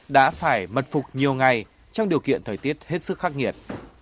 đã phải mật phục nhiều ngày trong điều kiện thời tiết hết sức khắc nghiệt